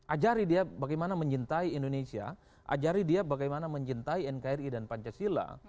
ajari dia bagaimana mencintai indonesia ajari dia bagaimana mencintai nkri dan pancasila